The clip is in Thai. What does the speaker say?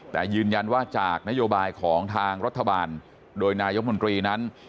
แต่ยืนยันว่าจากนโยบายของทางรัฐบาลโดยนายกมนตรีนั้น